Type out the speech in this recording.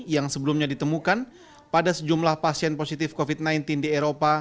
yang sebelumnya ditemukan pada sejumlah pasien positif covid sembilan belas di eropa